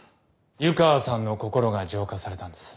湯川さんの心が浄化されたんです。